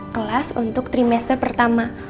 kelas untuk trimester pertama